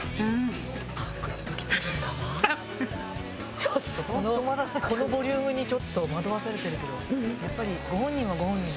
ちょっとこのボリュームに惑わされてるけどやっぱりご本人はご本人でね。